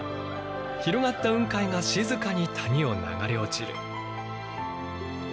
広がった雲海が静かに谷を流れ落ちる。